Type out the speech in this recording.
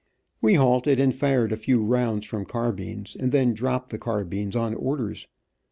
We halted and fired a few rounds from carbines, and then dropped the carbines, on orders.